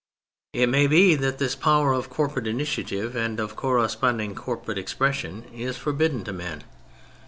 It may be that this power of corporate initiative and of corresponding corporate expression is forbidden to men.